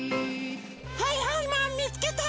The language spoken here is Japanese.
はいはいマンみつけた！